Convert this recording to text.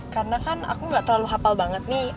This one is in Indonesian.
karena kan aku gak terlalu hafal banget nih